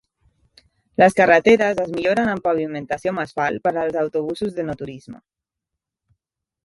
Les carreteres es milloren amb pavimentació amb asfalt per als autobusos d'enoturisme.